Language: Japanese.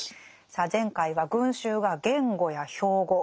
さあ前回は群衆は言語や標語